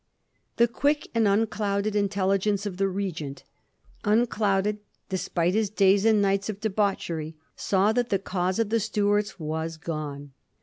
The quick and unclouded intelli gence of the Regent — unclouded despite his days and nights of debauchery — saw that the cause of the Stuarts was gone.